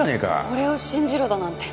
「俺を信じろ」だなんて。